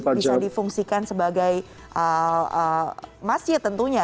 bisa difungsikan sebagai masjid tentunya